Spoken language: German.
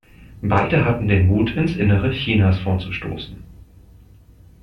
Beide hatten den Mut, ins Innere Chinas vorzustoßen.